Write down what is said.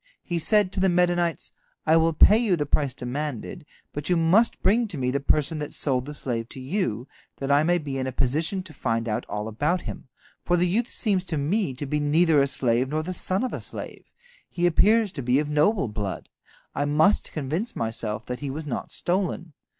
He said to the Medanites: "I will pay you the price demanded, but you must bring me the person that sold the slave to you, that I may be in a position to find out all about him, for the youth seems to me to be neither a slave nor the son of a slave. He appears to be of noble blood. I must convince myself that he was not stolen."